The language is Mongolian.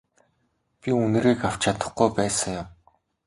Би үнэрийг авч чадахгүй байсан юм.